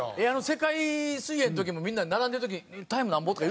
世界水泳の時もみんなで並んでる時に「タイムなんぼ？」とか。